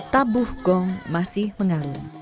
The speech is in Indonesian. tabuh gong masih mengarung